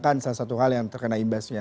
itu kan salah satu hal yang terkena imbasnya